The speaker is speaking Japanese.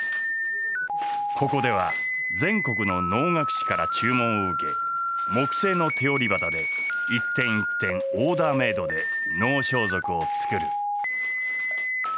ここでは全国の能楽師から注文を受け木製の手織り機で一点一点オーダーメードで能装束を作る。